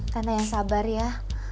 tante yang sabar ya